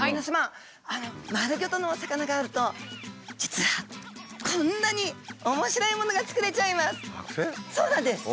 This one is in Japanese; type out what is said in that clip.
丸ギョとのお魚があると実はこんなに面白いものが作れちゃいます。